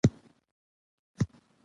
افغانستان په ګاز غني دی.